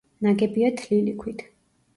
ნაგებია თლილი ქვით.